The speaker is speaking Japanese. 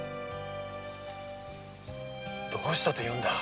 どうしたというんだ？